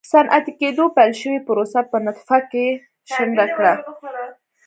صنعتي کېدو پیل شوې پروسه په نطفه کې شنډه کړه.